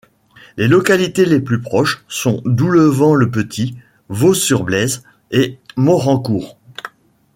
Les localités les plus proches sont Doulevant-le-Petit, Vaux-sur-Blaise et Morancourt.